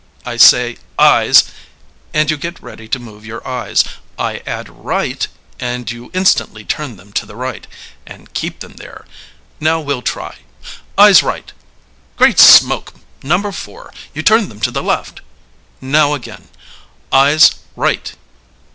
I say 'Eyes,' and you get ready to move your eyes; I add 'Right,' and you instantly turn them to the right, and keep them there. Now we'll try. Eyes right! Great smoke! number four, you turned them to the left! Now again: Eyes right!